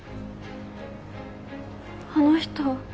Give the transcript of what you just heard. あの人